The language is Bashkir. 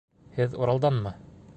Һеҙ Уралданмы?